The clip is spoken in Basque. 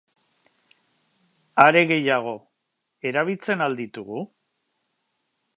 Are gehiago, erabiltzen al ditugu?